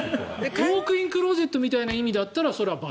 ウォークインクローゼットみたいな意味だったらこれは×。